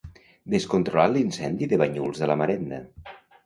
Descontrolat l'incendi de Banyuls de la Marenda.